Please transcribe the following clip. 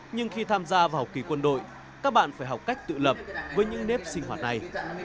nhưng khi tham gia vào học kỳ quân đội các bạn phải học cách tự lập với những nếp sinh hoạt này